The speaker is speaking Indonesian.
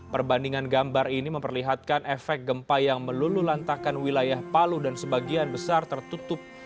perbandingan gambar ini memperlihatkan efek gempa yang melulu lantakan wilayah palu dan sebagian besar tertutup